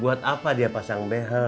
buat apa dia pasang beh